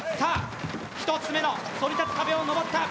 １つ目のそり立つ壁を登った。